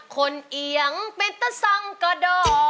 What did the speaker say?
คนเหยียงเป็นตะสั่งกะด่อ